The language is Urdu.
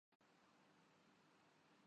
اسرائیل مغربی ایشیا کا ایک ملک ہے